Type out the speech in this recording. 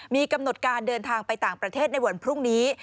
มีกำหนดการเดินทางไปต่างประเทศในวันพรุ่งนี้